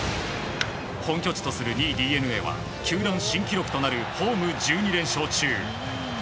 本拠地とする２位、ＤｅＮＡは球団新記録となるホーム１２連勝中。